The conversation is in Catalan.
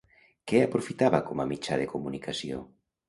Què aprofitava com a mitjà de comunicació?